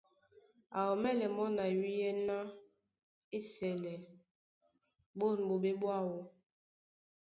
Á ómɛ́lɛ́ mɔ́ na iwíyɛ́ ná á esɛlɛ ɓôn ɓoɓé ɓwáō.